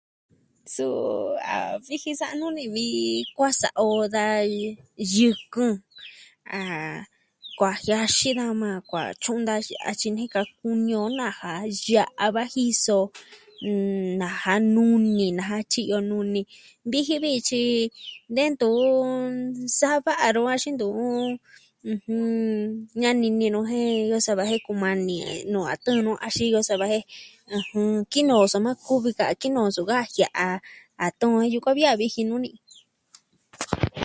Suu a viji sa'a nuu ni vi kuaa sa'a o da yɨkɨn. Ah... kuaa jiaxi da maa, kuaa tyu'un da jin axin nika kuni o naja ya'a va jiso. N... naja nuni, naja tyiyo nuni. Viji vi tyi nee ntu... sa va'a ro axin ntu'u... ɨjɨn... ñani ninu jen iyo sava jen kumani nuu a tɨɨn nu axin iyo sava jen... ɨjɨn, kinoo soma kuvi ka kinoo suu ka jia'a a tɨɨn yukuan vi a viji nuu ni.